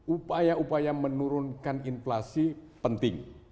upaya upaya menurunkan inflasi penting